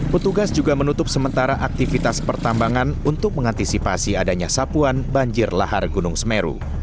petugas juga menutup sementara aktivitas pertambangan untuk mengantisipasi adanya sapuan banjir lahar gunung semeru